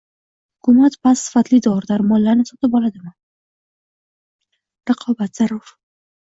Hukumat past sifatli dori-darmonlarni sotib oladimi? Raqobat zarur